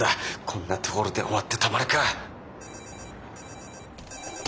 こんなところで終わってたまるか！